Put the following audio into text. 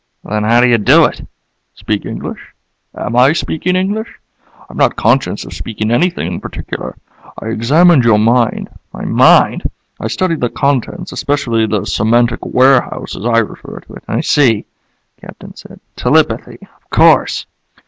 "Then how do you do it?" "Speak English? Am I speaking English? I'm not conscious of speaking anything in particular. I examined your mind " "My mind?" "I studied the contents, especially the semantic warehouse, as I refer to it " "I see," the Captain said. "Telepathy. Of course."